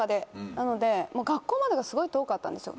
なので学校までがすごい遠かったんですよ。